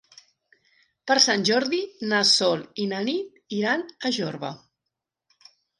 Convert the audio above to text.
Per Sant Jordi na Sol i na Nit iran a Jorba.